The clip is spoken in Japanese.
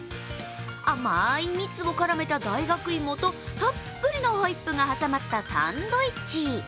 甘い蜜を絡めた大学芋とたっぷりのホイップが挟まったサンドイッチ。